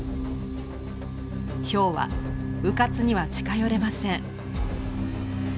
ヒョウはうかつには近寄れません。